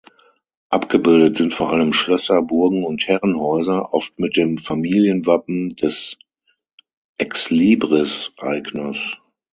Abgebildet sind vor allem Schlösser, Burgen und Herrenhäuser, oft mit dem Familienwappen des Exlibris-Eigners.